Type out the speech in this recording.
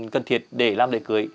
cần thiệt để làm lễ cưới